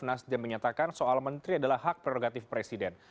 nasdem menyatakan soal menteri adalah hak prerogatif presiden